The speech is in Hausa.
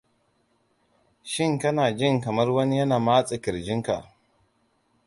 shin kana jin kamar wani yana matse kirjin ka